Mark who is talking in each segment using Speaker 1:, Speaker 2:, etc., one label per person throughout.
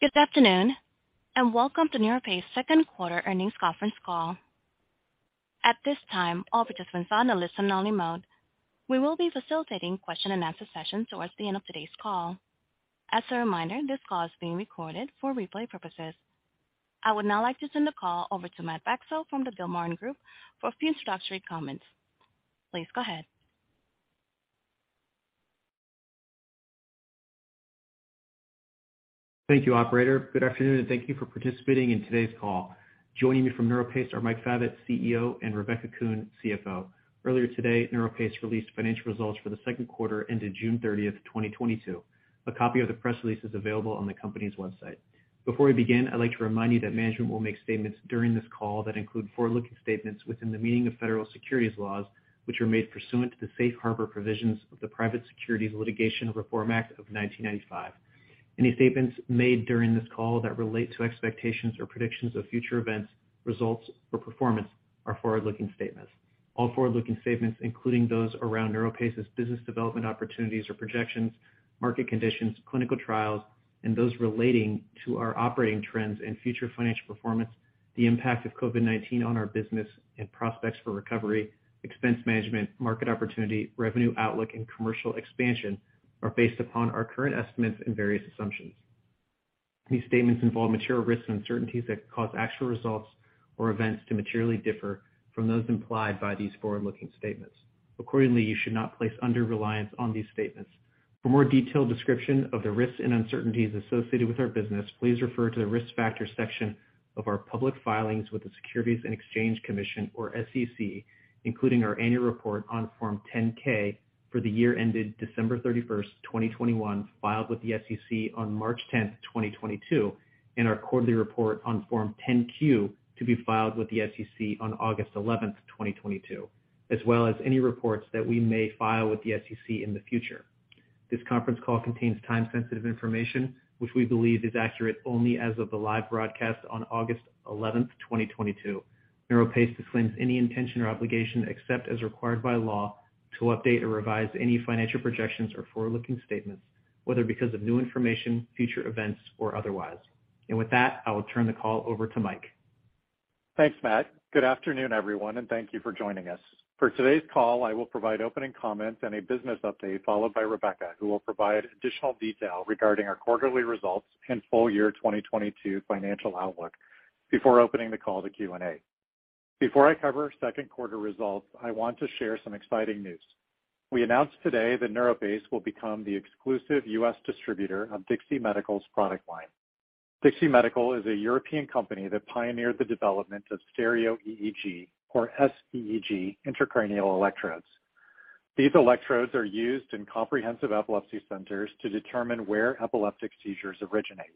Speaker 1: Good afternoon, and welcome to NeuroPace second quarter earnings conference call. At this time, all participants are on a listen-only mode. We will be facilitating question and answer session towards the end of today's call. As a reminder, this call is being recorded for replay purposes. I would now like to send the call over to Matt Bacso from the Gilmartin Group for a few introductory comments. Please go ahead.
Speaker 2: Thank you, operator. Good afternoon, and thank you for participating in today's call. Joining me from NeuroPace are Mike Favet, CEO, and Rebecca Kuhn, CFO. Earlier today, NeuroPace released financial results for the second quarter ended June 30th, 2022. A copy of the press release is available on the company's website. Before we begin, I'd like to remind you that management will make statements during this call that include forward-looking statements within the meaning of federal securities laws, which are made pursuant to the Safe Harbor provisions of the Private Securities Litigation Reform Act of 1995. Any statements made during this call that relate to expectations or predictions of future events, results, or performance are forward-looking statements. All forward-looking statements, including those around NeuroPace's business development opportunities or projections, market conditions, clinical trials, and those relating to our operating trends and future financial performance, the impact of COVID-19 on our business and prospects for recovery, expense management, market opportunity, revenue outlook, and commercial expansion, are based upon our current estimates and various assumptions. These statements involve material risks and uncertainties that could cause actual results or events to materially differ from those implied by these forward-looking statements. Accordingly, you should not place undue reliance on these statements. For more detailed description of the risks and uncertainties associated with our business, please refer to the Risk Factors section of our public filings with the Securities and Exchange Commission, or SEC, including our annual report on Form 10-K for the year ended December 31st, 2021, filed with the SEC on March 10, 2022, and our quarterly report on Form 10-Q to be filed with the SEC on August 11th, 2022, as well as any reports that we may file with the SEC in the future. This conference call contains time-sensitive information, which we believe is accurate only as of the live broadcast on August 11th, 2022. NeuroPace disclaims any intention or obligation, except as required by law, to update or revise any financial projections or forward-looking statements, whether because of new information, future events, or otherwise. With that, I will turn the call over to Mike.
Speaker 3: Thanks, Matt. Good afternoon, everyone, and thank you for joining us. For today's call, I will provide opening comments and a business update, followed by Rebecca, who will provide additional detail regarding our quarterly results and full year 2022 financial outlook before opening the call to Q&A. Before I cover second quarter results, I want to share some exciting news. We announced today that NeuroPace will become the exclusive U.S. distributor of DIXI Medical's product line. DIXI Medical is a European company that pioneered the development of stereo EEG, or sEEG, intracranial electrodes. These electrodes are used in comprehensive epilepsy centers to determine where epileptic seizures originate.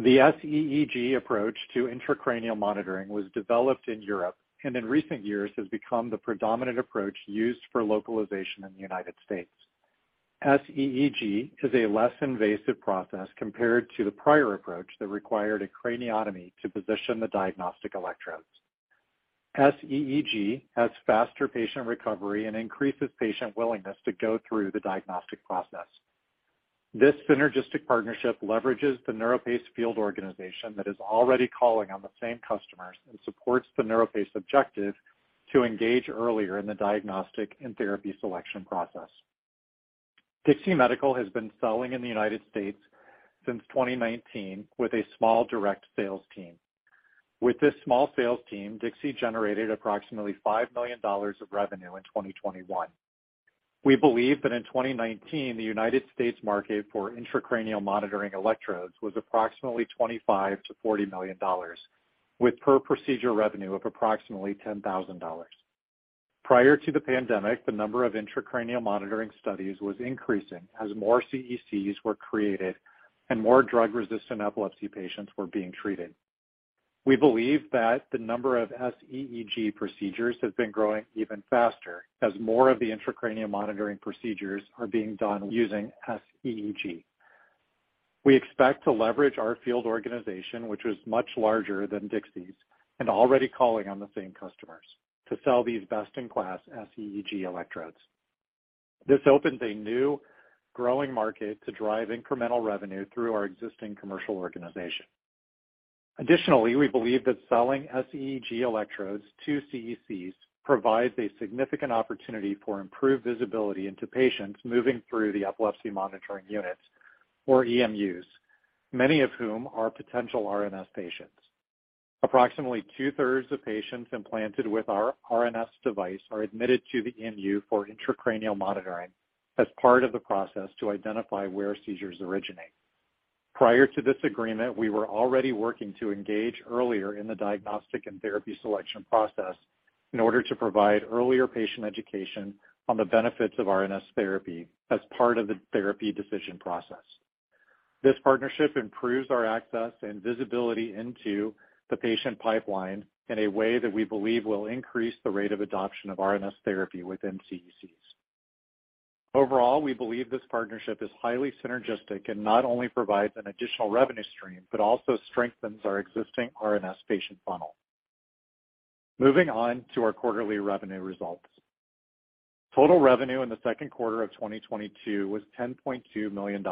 Speaker 3: The sEEG approach to intracranial monitoring was developed in Europe, and in recent years has become the predominant approach used for localization in the United States. sEEG is a less invasive process compared to the prior approach that required a craniotomy to position the diagnostic electrodes. sEEG has faster patient recovery and increases patient willingness to go through the diagnostic process. This synergistic partnership leverages the NeuroPace field organization that is already calling on the same customers and supports the NeuroPace objective to engage earlier in the diagnostic and therapy selection process. DIXI Medical has been selling in the United States since 2019 with a small direct sales team. With this small sales team, DIXI generated approximately $5 million of revenue in 2021. We believe that in 2019, the United States market for intracranial monitoring electrodes was approximately $25 million-$40 million, with per procedure revenue of approximately $10,000. Prior to the pandemic, the number of intracranial monitoring studies was increasing as more CECs were created and more drug-resistant epilepsy patients were being treated. We believe that the number of sEEG procedures has been growing even faster as more of the intracranial monitoring procedures are being done using sEEG. We expect to leverage our field organization, which is much larger than DIXI's and already calling on the same customers to sell these best-in-class sEEG electrodes. This opens a new growing market to drive incremental revenue through our existing commercial organization. Additionally, we believe that selling sEEG electrodes to CECs provides a significant opportunity for improved visibility into patients moving through the epilepsy monitoring units, or EMUs, many of whom are potential RNS patients. Approximately 2/3 of patients implanted with our RNS device are admitted to the EMU for intracranial monitoring as part of the process to identify where seizures originate. Prior to this agreement, we were already working to engage earlier in the diagnostic and therapy selection process in order to provide earlier patient education on the benefits of RNS therapy as part of the therapy decision process. This partnership improves our access and visibility into the patient pipeline in a way that we believe will increase the rate of adoption of RNS therapy within CECs. Overall, we believe this partnership is highly synergistic and not only provides an additional revenue stream, but also strengthens our existing RNS patient funnel. Moving on to our quarterly revenue results. Total revenue in the second quarter of 2022 was $10.2 million.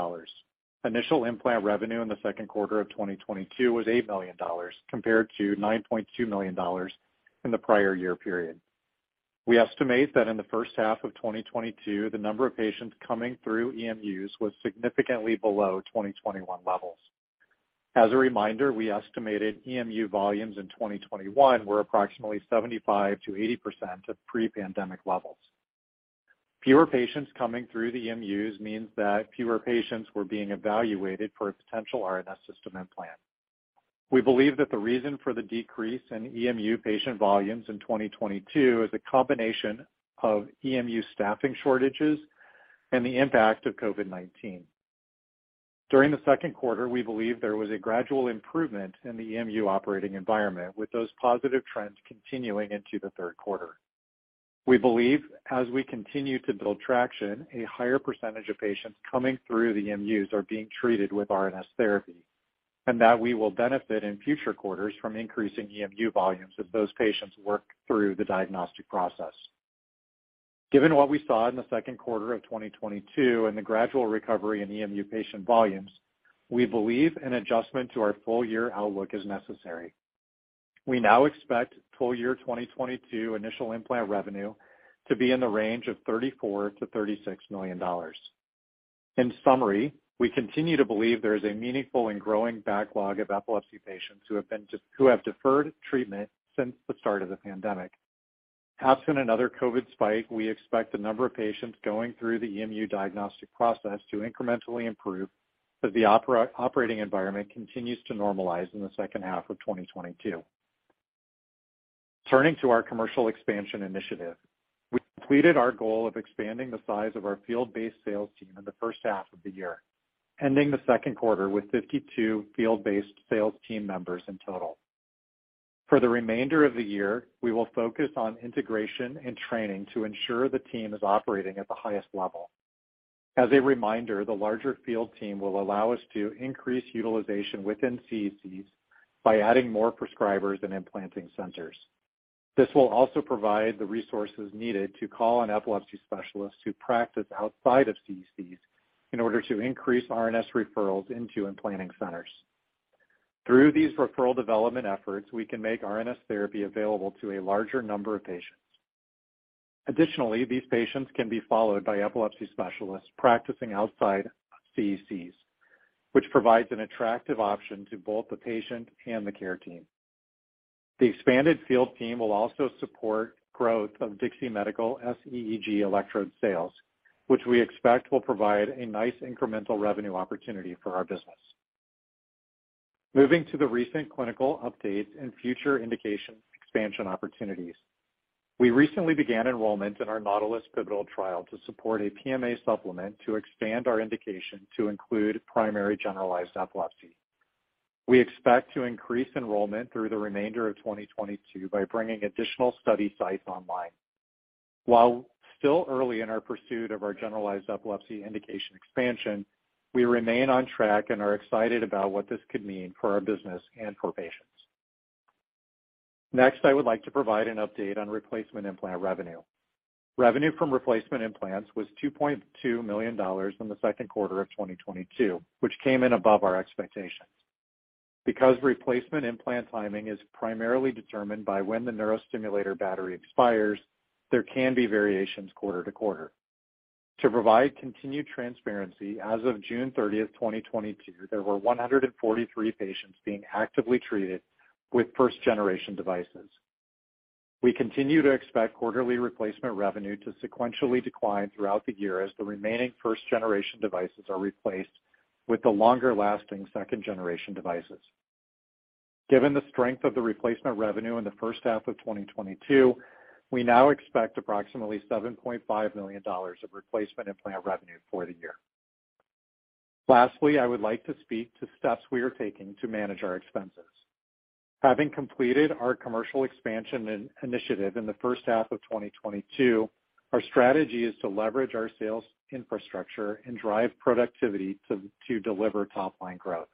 Speaker 3: Initial implant revenue in the second quarter of 2022 was $8 million compared to $9.2 million in the prior year period. We estimate that in the first half of 2022, the number of patients coming through EMUs was significantly below 2021 levels. As a reminder, we estimated EMU volumes in 2021 were approximately 75%-80% of pre-pandemic levels. Fewer patients coming through the EMUs means that fewer patients were being evaluated for a potential RNS System implant. We believe that the reason for the decrease in EMU patient volumes in 2022 is a combination of EMU staffing shortages and the impact of COVID-19. During the second quarter, we believe there was a gradual improvement in the EMU operating environment, with those positive trends continuing into the third quarter. We believe as we continue to build traction, a higher percentage of patients coming through the EMUs are being treated with RNS therapy, and that we will benefit in future quarters from increasing EMU volumes as those patients work through the diagnostic process. Given what we saw in the second quarter of 2022 and the gradual recovery in EMU patient volumes, we believe an adjustment to our full year outlook is necessary. We now expect full year 2022 initial implant revenue to be in the range of $34 million-$36 million. In summary, we continue to believe there is a meaningful and growing backlog of epilepsy patients who have deferred treatment since the start of the pandemic. Absent another COVID spike, we expect the number of patients going through the EMU diagnostic process to incrementally improve as the operating environment continues to normalize in the second half of 2022. Turning to our commercial expansion initiative. We completed our goal of expanding the size of our field-based sales team in the first half of the year, ending the second quarter with 52 field-based sales team members in total. For the remainder of the year, we will focus on integration and training to ensure the team is operating at the highest level. As a reminder, the larger field team will allow us to increase utilization within CECs by adding more prescribers and implanting centers. This will also provide the resources needed to call on epilepsy specialists who practice outside of CECs in order to increase RNS referrals into implanting centers. Through these referral development efforts, we can make RNS therapy available to a larger number of patients. Additionally, these patients can be followed by epilepsy specialists practicing outside CECs, which provides an attractive option to both the patient and the care team. The expanded field team will also support growth of DIXI Medical sEEG electrode sales, which we expect will provide a nice incremental revenue opportunity for our business. Moving to the recent clinical updates and future indication expansion opportunities. We recently began enrollment in our NAUTILUS pivotal trial to support a PMA supplement to expand our indication to include primary generalized epilepsy. We expect to increase enrollment through the remainder of 2022 by bringing additional study sites online. While still early in our pursuit of our generalized epilepsy indication expansion, we remain on track and are excited about what this could mean for our business and for patients. Next, I would like to provide an update on replacement implant revenue. Revenue from replacement implants was $2.2 million in the second quarter of 2022, which came in above our expectations. Because replacement implant timing is primarily determined by when the neurostimulator battery expires, there can be variations quarter to quarter. To provide continued transparency, as of June 30th, 2022, there were 143 patients being actively treated with first generation devices. We continue to expect quarterly replacement revenue to sequentially decline throughout the year as the remaining first generation devices are replaced with the longer lasting second generation devices. Given the strength of the replacement revenue in the first half of 2022, we now expect approximately $7.5 million of replacement implant revenue for the year. Lastly, I would like to speak to steps we are taking to manage our expenses. Having completed our commercial expansion initiative in the first half of 2022, our strategy is to leverage our sales infrastructure and drive productivity to deliver top line growth.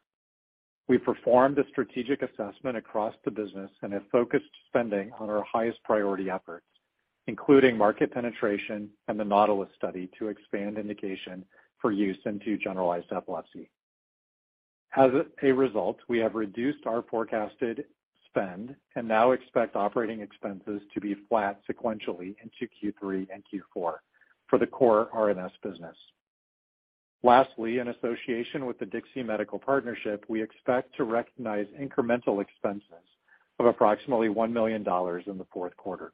Speaker 3: We performed a strategic assessment across the business and have focused spending on our highest priority efforts, including market penetration and the NAUTILUS study to expand indication for use into generalized epilepsy. As a result, we have reduced our forecasted spend and now expect operating expenses to be flat sequentially into Q3 and Q4 for the core RNS business. Lastly, in association with the DIXI Medical partnership, we expect to recognize incremental expenses of approximately $1 million in the fourth quarter.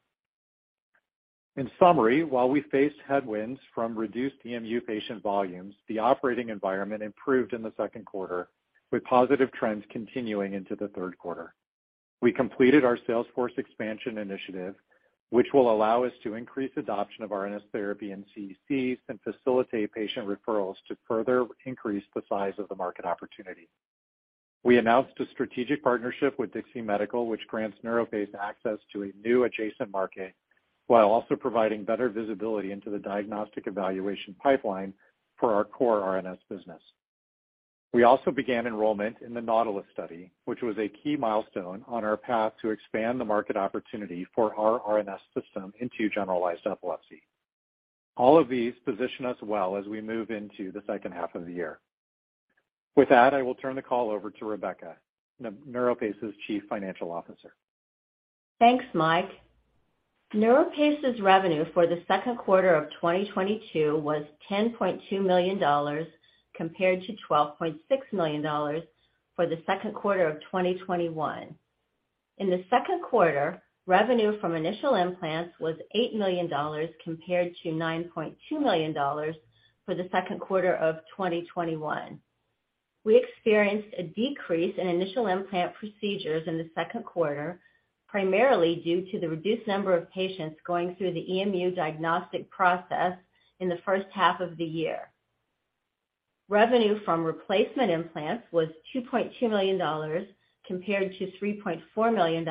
Speaker 3: In summary, while we faced headwinds from reduced EMU patient volumes, the operating environment improved in the second quarter, with positive trends continuing into the third quarter. We completed our sales force expansion initiative, which will allow us to increase adoption of RNS therapy in CECs and facilitate patient referrals to further increase the size of the market opportunity. We announced a strategic partnership with DIXI Medical, which grants NeuroPace access to a new adjacent market while also providing better visibility into the diagnostic evaluation pipeline for our core RNS business. We also began enrollment in the NAUTILUS study, which was a key milestone on our path to expand the market opportunity for our RNS system into generalized epilepsy. All of these position us well as we move into the second half of the year. With that, I will turn the call over to Rebecca, NeuroPace's Chief Financial Officer.
Speaker 4: Thanks, Mike. NeuroPace's revenue for the second quarter of 2022 was $10.2 million compared to $12.6 million for the second quarter of 2021. In the second quarter, revenue from initial implants was $8 million compared to $9.2 million for the second quarter of 2021. We experienced a decrease in initial implant procedures in the second quarter, primarily due to the reduced number of patients going through the EMU diagnostic process in the first half of the year. Revenue from replacement implants was $2.2 million compared to $3.4 million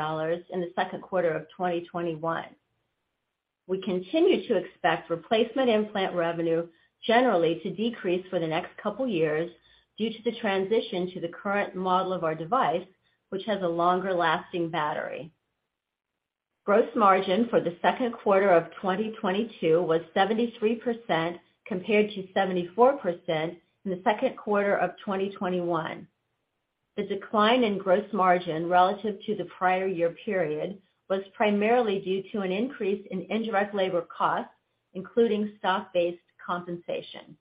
Speaker 4: in the second quarter of 2021. We continue to expect replacement implant revenue generally to decrease for the next couple years due to the transition to the current model of our device, which has a longer-lasting battery. Gross margin for the second quarter of 2022 was 73% compared to 74% in the second quarter of 2021. The decline in gross margin relative to the prior year period was primarily due to an increase in indirect labor costs, including stock-based compensation.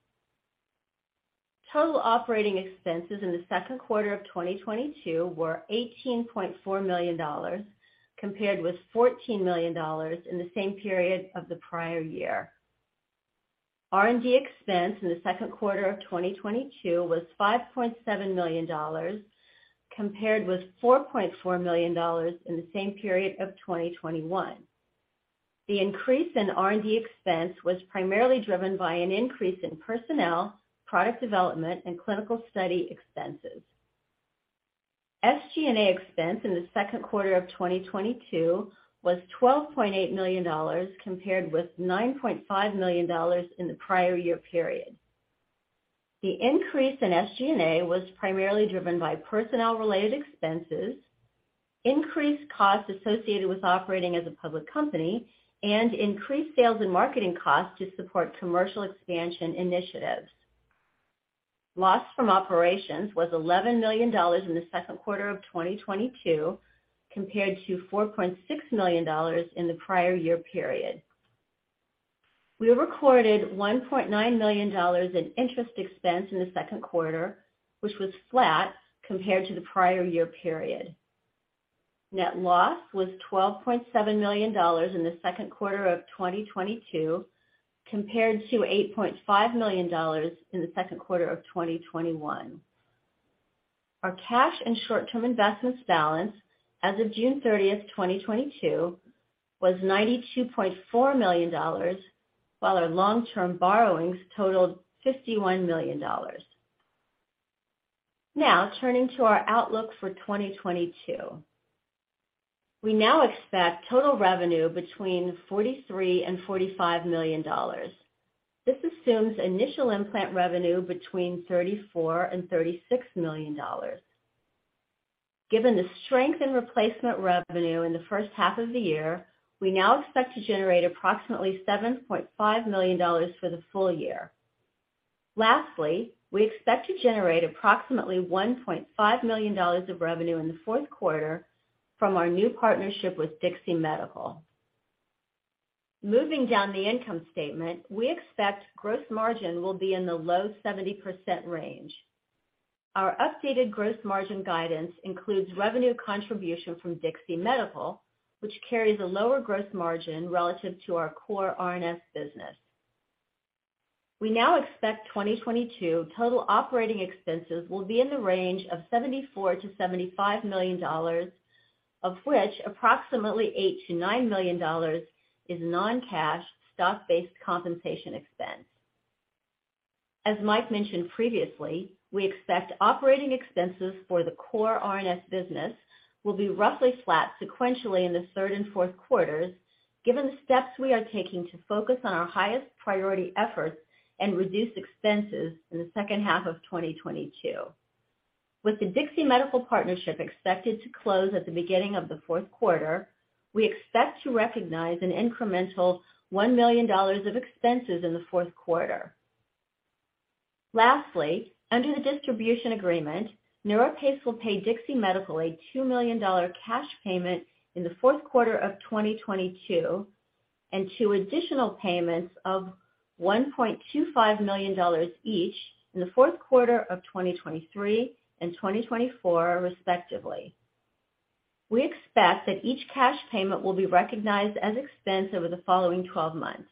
Speaker 4: Total operating expenses in the second quarter of 2022 were $18.4 million compared with $14 million in the same period of the prior year. R&D expense in the second quarter of 2022 was $5.7 million compared with $4.4 million in the same period of 2021. The increase in R&D expense was primarily driven by an increase in personnel, product development, and clinical study expenses. SG&A expense in the second quarter of 2022 was $12.8 million compared with $9.5 million in the prior year period. The increase in SG&A was primarily driven by personnel-related expenses, increased costs associated with operating as a public company, and increased sales and marketing costs to support commercial expansion initiatives. Loss from operations was $11 million in the second quarter of 2022 compared to $4.6 million in the prior year period. We recorded $1.9 million in interest expense in the second quarter, which was flat compared to the prior year period. Net loss was $12.7 million in the second quarter of 2022 compared to $8.5 million in the second quarter of 2021. Our cash and short-term investments balance as of June 30th, 2022 was $92.4 million, while our long-term borrowings totaled $51 million. Now turning to our outlook for 2022. We now expect total revenue between $43 million-$45 million. This assumes initial implant revenue between $34 million-$36 million. Given the strength in replacement revenue in the first half of the year, we now expect to generate approximately $7.5 million for the full year. Lastly, we expect to generate approximately $1.5 million of revenue in the fourth quarter from our new partnership with DIXI Medical. Moving down the income statement, we expect gross margin will be in the low 70% range. Our updated gross margin guidance includes revenue contribution from DIXI Medical, which carries a lower gross margin relative to our core RNS business. We now expect 2022 total operating expenses will be in the range of $74 million-$75 million, of which approximately $8 million-$9 million is non-cash stock-based compensation expense. As Mike mentioned previously, we expect operating expenses for the core RNS business will be roughly flat sequentially in the third and fourth quarters, given the steps we are taking to focus on our highest priority efforts and reduce expenses in the second half of 2022. With the DIXI Medical partnership expected to close at the beginning of the fourth quarter, we expect to recognize an incremental $1 million of expenses in the fourth quarter. Lastly, under the distribution agreement, NeuroPace will pay DIXI Medical a $2 million cash payment in the fourth quarter of 2022 and two additional payments of $1.25 million each in the fourth quarter of 2023 and 2024, respectively. We expect that each cash payment will be recognized as expense over the following 12 months.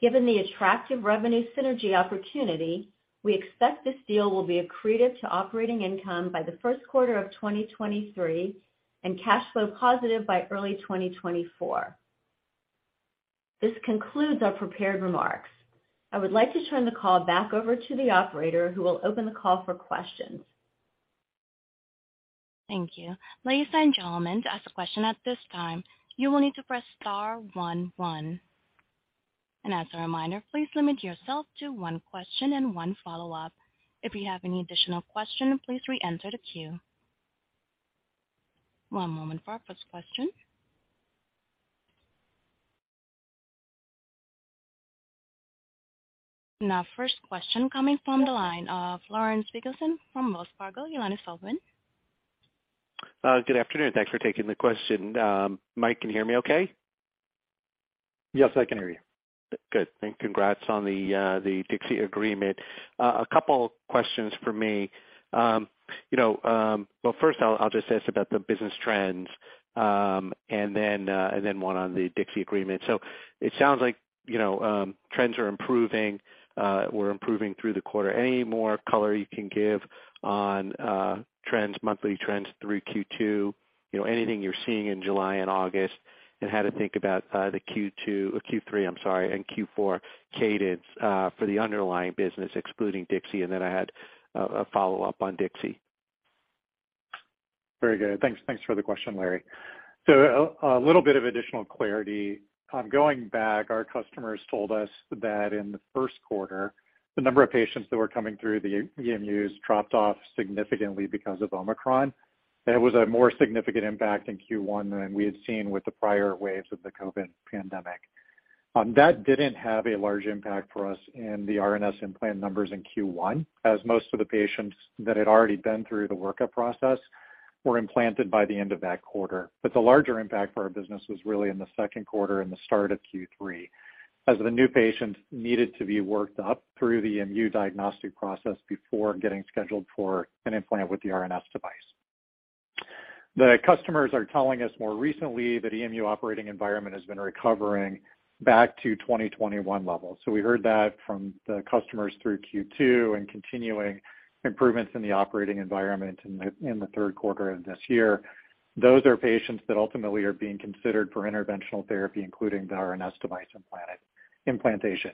Speaker 4: Given the attractive revenue synergy opportunity, we expect this deal will be accretive to operating income by the first quarter of 2023 and cash flow positive by early 2024. This concludes our prepared remarks. I would like to turn the call back over to the operator who will open the call for questions.
Speaker 1: Thank you. Ladies and gentlemen, to ask a question at this time, you will need to press star one one. As a reminder, please limit yourself to one question and one follow-up. If you have any additional question, please re-enter the queue. One moment for our first question. Now first question coming from the line of Larry Biegelsen from Wells Fargo. Yolanda Feldman.
Speaker 5: Good afternoon. Thanks for taking the question. Mike, can you hear me okay?
Speaker 3: Yes, I can hear you.
Speaker 5: Good. Congrats on the DIXI agreement. A couple questions from me. You know, well, first I'll just ask about the business trends, and then one on the DIXI agreement. It sounds like, you know, trends are improving, were improving through the quarter. Any more color you can give on trends, monthly trends through Q2, you know, anything you're seeing in July and August, and how to think about the Q2 or Q3, I'm sorry, and Q4 cadence for the underlying business excluding DIXI? Then I had a follow-up on DIXI.
Speaker 3: Very good. Thanks for the question, Larry. A little bit of additional clarity. Going back, our customers told us that in the first quarter, the number of patients that were coming through the EMUs dropped off significantly because of Omicron. It was a more significant impact in Q1 than we had seen with the prior waves of the COVID pandemic. That didn't have a large impact for us in the RNS implant numbers in Q1, as most of the patients that had already been through the workup process were implanted by the end of that quarter. The larger impact for our business was really in the second quarter and the start of Q3, as the new patients needed to be worked up through the EMU diagnostic process before getting scheduled for an implant with the RNS device. The customers are telling us more recently that EMU operating environment has been recovering back to 2021 levels. We heard that from the customers through Q2 and continuing improvements in the operating environment in the third quarter of this year. Those are patients that ultimately are being considered for interventional therapy, including the RNS device implantation.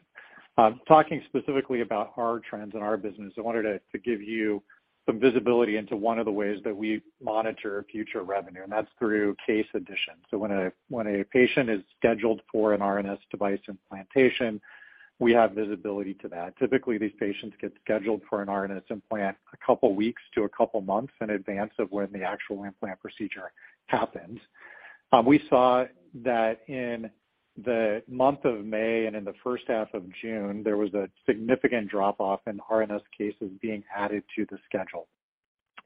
Speaker 3: Talking specifically about our trends and our business, I wanted to give you some visibility into one of the ways that we monitor future revenue, and that's through case additions. When a patient is scheduled for an RNS device implantation, we have visibility to that. Typically, these patients get scheduled for an RNS implant a couple weeks to a couple months in advance of when the actual implant procedure happens. We saw that in the month of May and in the first half of June, there was a significant drop off in RNS cases being added to the schedule.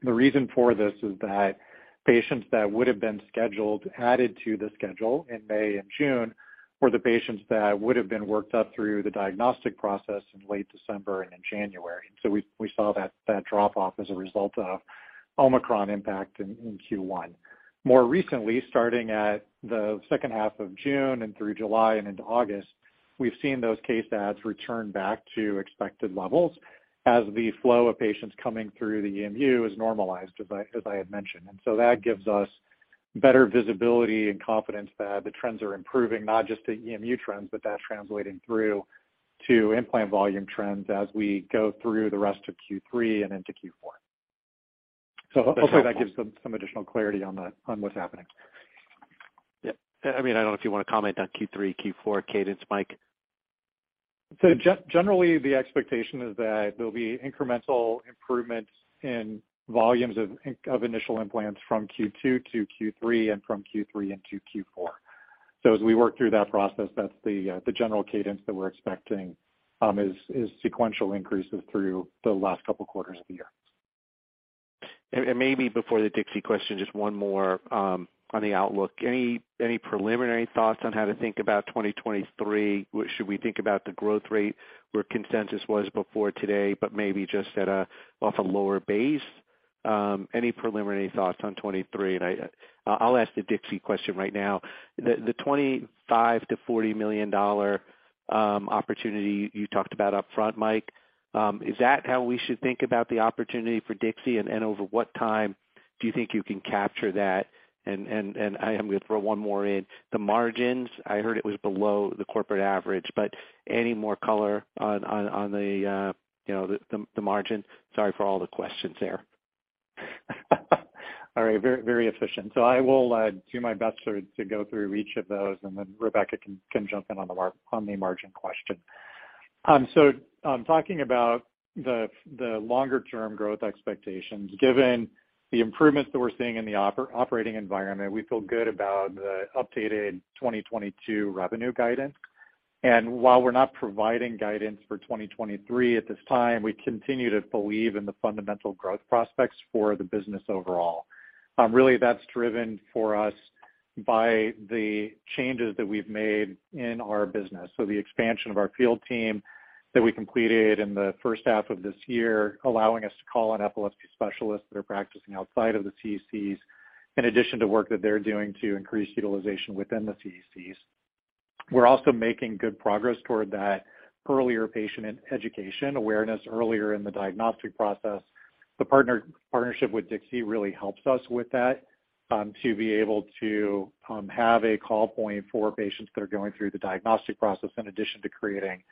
Speaker 3: The reason for this is that patients that would have been scheduled, added to the schedule in May and June, were the patients that would have been worked up through the diagnostic process in late December and in January. We saw that drop off as a result of Omicron impact in Q1. More recently, starting at the second half of June and through July and into August, we've seen those case adds return back to expected levels as the flow of patients coming through the EMU is normalized as I had mentioned. That gives us better visibility and confidence that the trends are improving, not just the EMU trends, but that's translating through to implant volume trends as we go through the rest of Q3 and into Q4. Hopefully that gives some additional clarity on what's happening.
Speaker 5: Yeah. I mean, I don't know if you want to comment on Q3, Q4 cadence, Mike.
Speaker 3: Generally, the expectation is that there'll be incremental improvements in volumes of initial implants from Q2 to Q3 and from Q3 into Q4. As we work through that process, that's the general cadence that we're expecting is sequential increases through the last couple quarters of the year.
Speaker 5: Maybe before the DIXI question, just one more on the outlook. Any preliminary thoughts on how to think about 2023? Should we think about the growth rate where consensus was before today, but maybe just off a lower base? Any preliminary thoughts on 2023? I'll ask the DIXI question right now. The $25 million-$40 million opportunity you talked about up front, Mike, is that how we should think about the opportunity for DIXI? And over what time do you think you can capture that? I am gonna throw one more in. The margins, I heard it was below the corporate average, but any more color on you know, the margin? Sorry for all the questions there.
Speaker 3: All right. Very, very efficient. I will do my best to go through each of those, and then Rebecca can jump in on the margin question. Talking about the longer term growth expectations. Given the improvements that we're seeing in the operating environment, we feel good about the updated 2022 revenue guidance. While we're not providing guidance for 2023 at this time, we continue to believe in the fundamental growth prospects for the business overall. Really that's driven for us by the changes that we've made in our business. The expansion of our field team that we completed in the first half of this year, allowing us to call on epilepsy specialists that are practicing outside of the CECs, in addition to work that they're doing to increase utilization within the CECs. We're also making good progress toward that earlier patient education awareness earlier in the diagnostic process. The partnership with DIXI really helps us with that, to be able to have a call point for patients that are going through the diagnostic process in addition to creating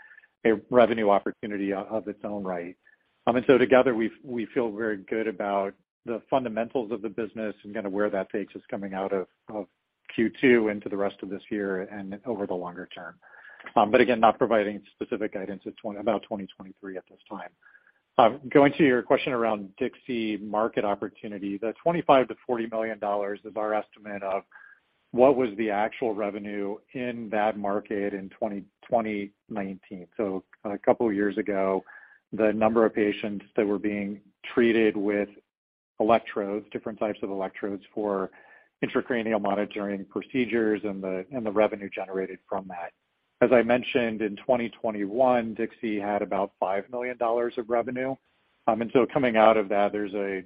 Speaker 3: a revenue opportunity in its own right. Together, we feel very good about the fundamentals of the business and kinda where that takes us coming out of Q2 into the rest of this year and over the longer term. Again, not providing specific guidance about 2023 at this time. Going to your question around DIXI market opportunity, the $25-$40 million is our estimate of what was the actual revenue in that market in 2019. A couple years ago, the number of patients that were being treated with electrodes, different types of electrodes for intracranial monitoring procedures and the revenue generated from that. As I mentioned, in 2021, DIXI had about $5 million of revenue. Coming out of that, there's a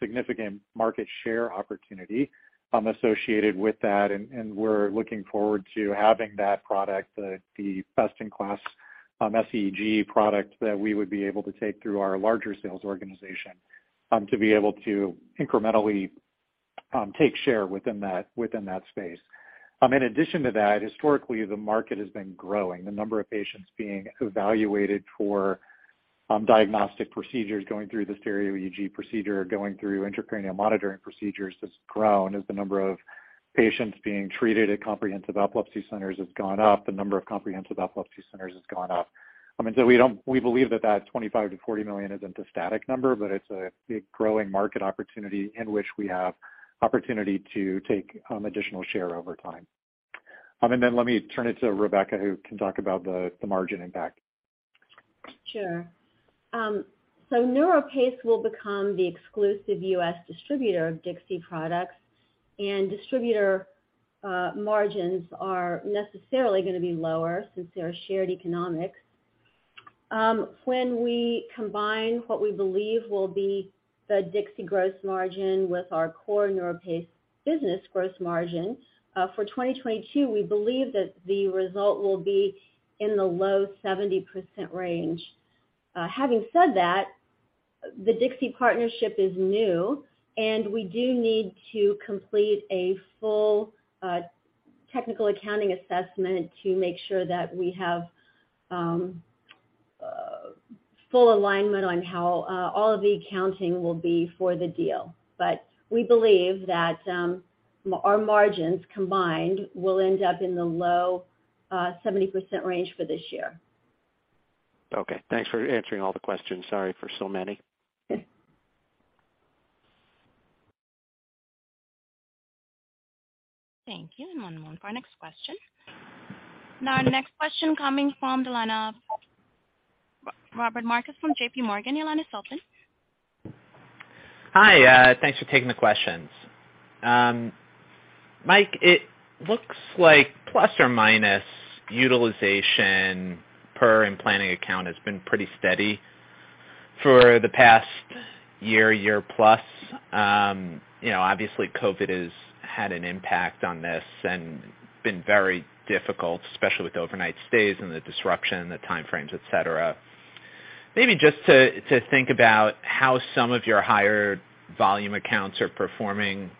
Speaker 3: significant market share opportunity associated with that, and we're looking forward to having that product, the best in class sEEG product that we would be able to take through our larger sales organization to be able to incrementally take share within that space. In addition to that, historically the market has been growing. The number of patients being evaluated for diagnostic procedures going through the stereo EEG procedure or going through intracranial monitoring procedures has grown as the number of patients being treated at Comprehensive Epilepsy Centers has gone up, the number of Comprehensive Epilepsy Centers has gone up. I mean, we don't believe that $25 million-$40 million is a static number, but it's a growing market opportunity in which we have opportunity to take additional share over time. And then let me turn it to Rebecca, who can talk about the margin impact.
Speaker 4: Sure. NeuroPace will become the exclusive U.S. distributor of DIXI products, and distributor margins are necessarily gonna be lower since they're a shared economics. When we combine what we believe will be the DIXI gross margin with our core NeuroPace business gross margin, for 2022, we believe that the result will be in the low 70% range. Having said that, the DIXI partnership is new, and we do need to complete a full technical accounting assessment to make sure that we have full alignment on how all of the accounting will be for the deal. We believe that our margins combined will end up in the low 70% range for this year.
Speaker 5: Okay. Thanks for answering all the questions. Sorry for so many.
Speaker 1: Thank you. One moment for our next question. Now our next question coming from the line of Robbie Marcus from JPMorgan. Your line is open.
Speaker 6: Hi. Thanks for taking the questions. Mike, it looks like ± utilization per implanting account has been pretty steady for the past year plus. You know, obviously COVID has had an impact on this and been very difficult, especially with overnight stays and the disruption, the time frames, et cetera. Maybe just to think about how some of your higher volume accounts are performing,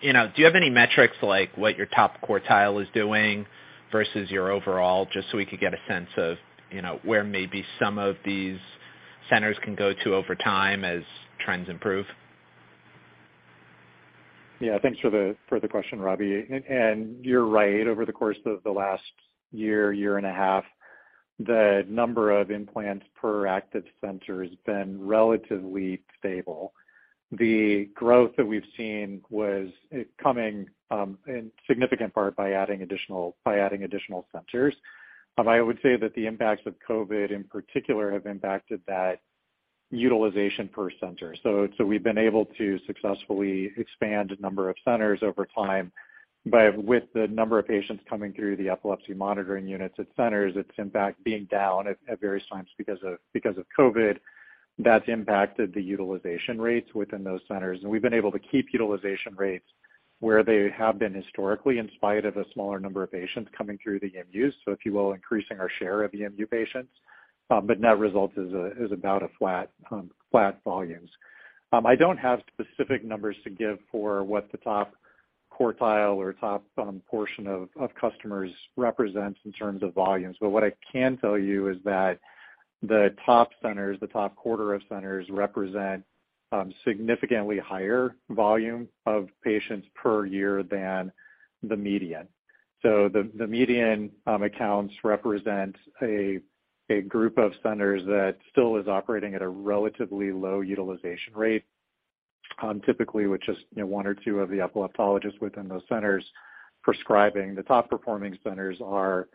Speaker 6: you know, do you have any metrics like what your top quartile is doing versus your overall, just so we could get a sense of, you know, where maybe some of these centers can go to over time as trends improve?
Speaker 3: Yeah. Thanks for the question, Robbie. You're right. Over the course of the last year and a half, the number of implants per active center has been relatively stable. The growth that we've seen was coming in significant part by adding additional centers. I would say that the impacts of COVID in particular have impacted that utilization per center. We've been able to successfully expand the number of centers over time, but the number of patients coming through the epilepsy monitoring units at centers has in fact been down at various times because of COVID. That's impacted the utilization rates within those centers. We've been able to keep utilization rates where they have been historically, in spite of a smaller number of patients coming through the EMUs, so if you will, increasing our share of the EMU patients. But net result is about a flat volumes. I don't have specific numbers to give for what the top quartile or top portion of customers represents in terms of volumes, but what I can tell you is that the top centers, the top quarter of centers represent significantly higher volume of patients per year than the median. The median accounts represent a group of centers that still is operating at a relatively low utilization rate, typically with just, you know, one or two of the epileptologists within those centers prescribing. The top performing centers are,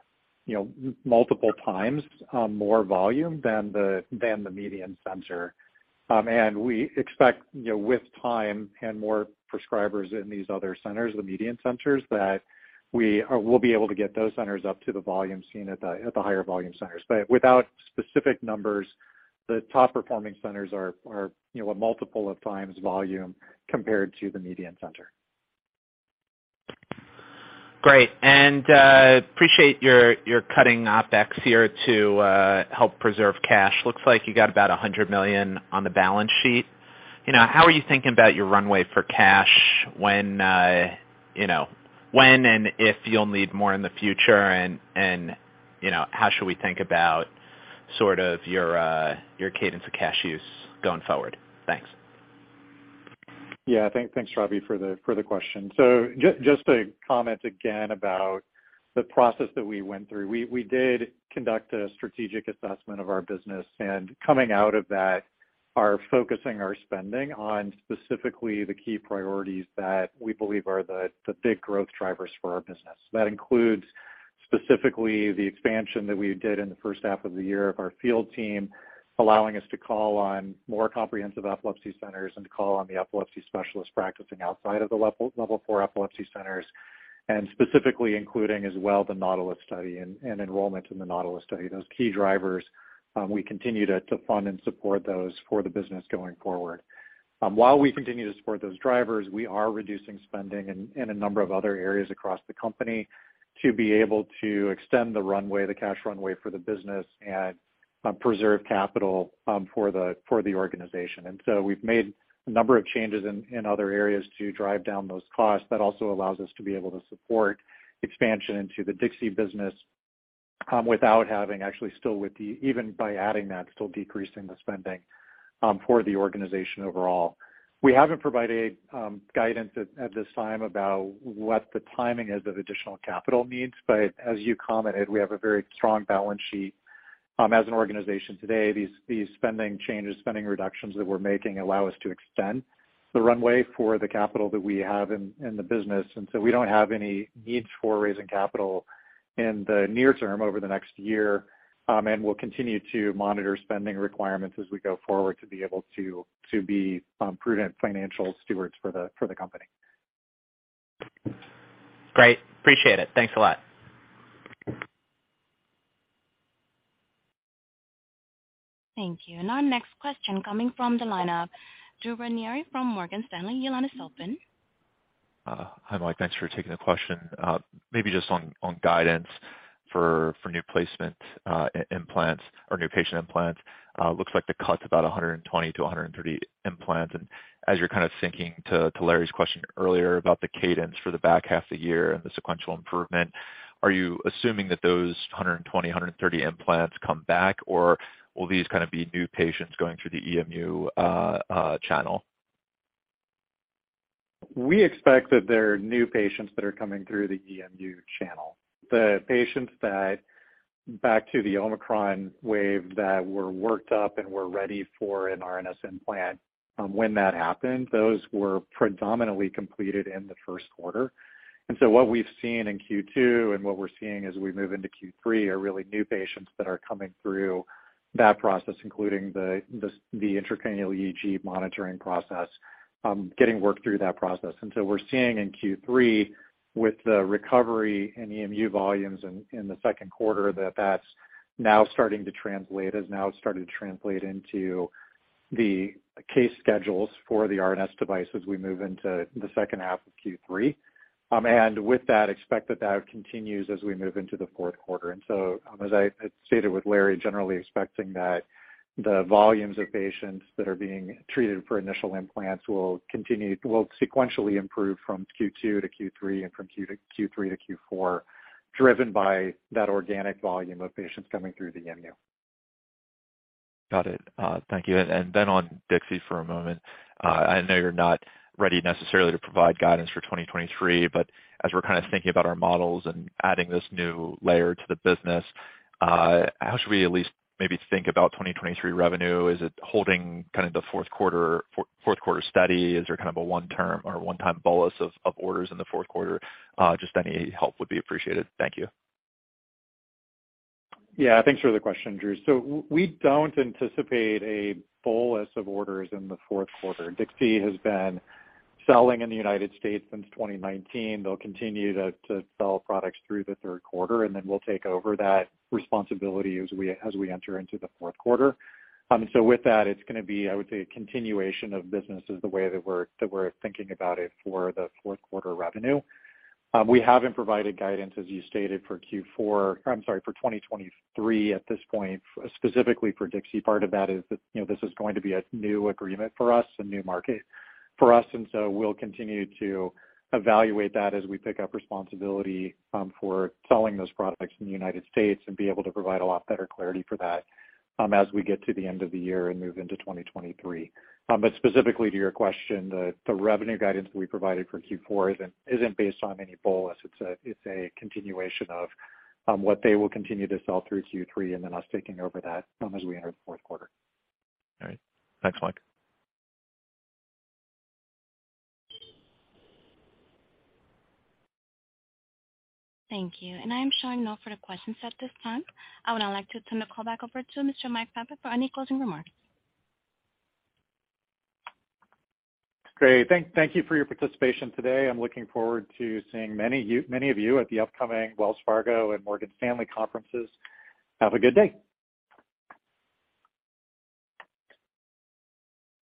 Speaker 3: you know, multiple times more volume than the median center. We expect, you know, with time and more prescribers in these other centers, the median centers, that we'll be able to get those centers up to the volume seen at the higher volume centers. Without specific numbers, the top performing centers are, you know, a multiple of times volume compared to the median center.
Speaker 6: Great. Appreciate your cutting OpEx here to help preserve cash. Looks like you got about $100 million on the balance sheet. You know, how are you thinking about your runway for cash when, you know, when and if you'll need more in the future and, you know, how should we think about sort of your cadence of cash use going forward? Thanks.
Speaker 3: Yeah. Thanks, Robbie, for the question. Just to comment again about the process that we went through. We did conduct a strategic assessment of our business, and coming out of that are focusing our spending on specifically the key priorities that we believe are the big growth drivers for our business. That includes, specifically, the expansion that we did in the first half of the year of our field team, allowing us to call on more comprehensive epilepsy centers and to call on the epilepsy specialists practicing outside of the level four epilepsy centers, and specifically including as well the NAUTILUS study and enrollment in the NAUTILUS study. Those key drivers, we continue to fund and support those for the business going forward. While we continue to support those drivers, we are reducing spending in a number of other areas across the company to be able to extend the runway, the cash runway for the business and preserve capital for the organization. We've made a number of changes in other areas to drive down those costs. That also allows us to be able to support expansion into the DIXI business without having actually, even by adding that, still decreasing the spending for the organization overall. We haven't provided guidance at this time about what the timing is of additional capital needs, but as you commented, we have a very strong balance sheet as an organization today. These spending changes, spending reductions that we're making allow us to extend the runway for the capital that we have in the business, and so we don't have any needs for raising capital in the near term over the next year. We'll continue to monitor spending requirements as we go forward to be prudent financial stewards for the company.
Speaker 6: Great. Appreciate it. Thanks a lot.
Speaker 1: Thank you. Our next question coming from the line of Drew Ranieri from Morgan Stanley. Yelena Shkolnik.
Speaker 7: Hi, Mike. Thanks for taking the question. Maybe just on guidance for new placement, implants or new patient implants. Looks like the cut's about 120 to 130 implants. As you're kind of thinking to Larry's question earlier about the cadence for the back half of the year and the sequential improvement, are you assuming that those 120, 130 implants come back, or will these kind of be new patients going through the EMU channel?
Speaker 3: We expect that there are new patients that are coming through the EMU channel. The patients that go back to the Omicron wave that were worked up and were ready for an RNS implant, when that happened, those were predominantly completed in the first quarter. What we've seen in Q2 and what we're seeing as we move into Q3 are really new patients that are coming through that process, including the intracranial EEG monitoring process, getting worked through that process. We're seeing in Q3 with the recovery in EMU volumes in the second quarter that that's now starting to translate into the case schedules for the RNS device as we move into the second half of Q3. With that, expect that continues as we move into the fourth quarter. As I stated with Larry, generally expecting that the volumes of patients that are being treated for initial implants will continue, will sequentially improve from Q2 to Q3 and from Q3 to Q4, driven by that organic volume of patients coming through the EMU.
Speaker 7: Got it. Thank you. On DIXI for a moment. I know you're not ready necessarily to provide guidance for 2023, but as we're kind of thinking about our models and adding this new layer to the business, how should we at least maybe think about 2023 revenue? Is it holding kind of the fourth quarter steady? Is there kind of a one-time bolus of orders in the fourth quarter? Just any help would be appreciated. Thank you.
Speaker 3: Yeah. Thanks for the question, Drew. We don't anticipate a bolus of orders in the fourth quarter. DIXI has been selling in the United States since 2019. They'll continue to sell products through the third quarter, and then we'll take over that responsibility as we enter into the fourth quarter. With that, it's gonna be, I would say, a continuation of business as the way that we're thinking about it for the fourth quarter revenue. We haven't provided guidance, as you stated, for 2023 at this point, specifically for DIXI. Part of that is that, you know, this is going to be a new agreement for us, a new market for us, and so we'll continue to evaluate that as we pick up responsibility for selling those products in the United States and be able to provide a lot better clarity for that as we get to the end of the year and move into 2023. Specifically to your question, the revenue guidance we provided for Q4 isn't based on any bolus. It's a continuation of what they will continue to sell through Q3 and then us taking over that as we enter the fourth quarter.
Speaker 7: All right. Thanks, Mike.
Speaker 1: Thank you. I am showing no further questions at this time. I would now like to turn the call back over to Mr. Mike Favet for any closing remarks.
Speaker 3: Great. Thank you for your participation today. I'm looking forward to seeing many of you at the upcoming Wells Fargo and Morgan Stanley conferences. Have a good day.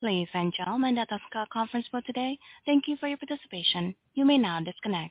Speaker 1: Ladies and gentlemen, that's all for our conference call today. Thank you for your participation. You may now disconnect.